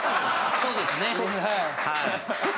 そうですねはい。